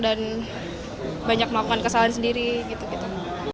dan banyak melakukan kesalahan sendiri gitu gitu